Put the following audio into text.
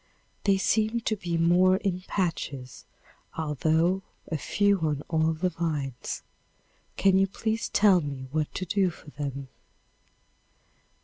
They seem to be more in patches, although a few on all the vines. Can you please tell me what to do for them?